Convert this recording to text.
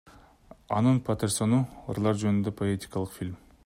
Анын Патерсону — ырлар жөнүндө поэтикалык фильм.